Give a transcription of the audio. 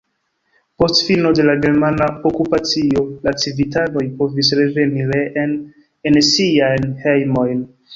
Post fino de la germana okupacio la civitanoj povis reveni reen en siajn hejmojn.